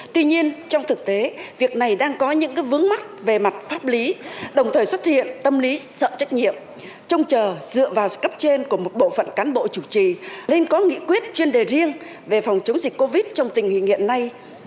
tuy nhiên trong thực tế việc này đang có những vướng mắt về mặt pháp lý đồng thời xuất hiện tâm lý sợ trách nhiệm trông chờ dựa vào cấp trên của một bộ phận cán bộ chủ trì nên có nghị quyết chuyên đề riêng về phòng chống dịch covid trong tình hình hiện nay